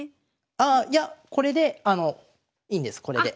ああいやこれでいいんですこれで。